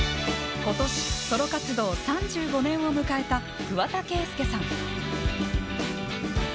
今年ソロ活動３５年を迎えた桑田佳祐さん。